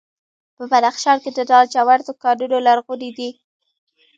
په بدخشان کې د لاجوردو کانونه لرغوني دي